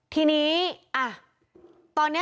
ทรัพย์สินของแด้ทรัพย์สินของแด้